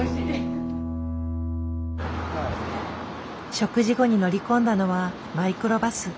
食事後に乗り込んだのはマイクロバス。